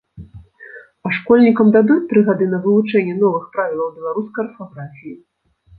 А школьнікам дадуць тры гады на вывучэнне новых правілаў беларускай арфаграфіі.